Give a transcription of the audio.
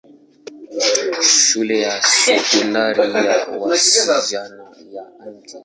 Shule ya Sekondari ya wasichana ya Mt.